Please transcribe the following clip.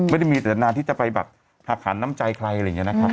ไม่ได้มีเจตนาที่จะไปแบบหักขันน้ำใจใครอะไรอย่างนี้นะครับ